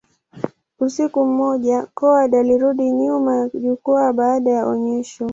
Usiku mmoja, Coward alirudi nyuma ya jukwaa baada ya onyesho.